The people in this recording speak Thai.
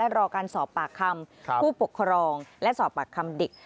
รอการสอบปากคำผู้ปกครองและสอบปากคำเด็ก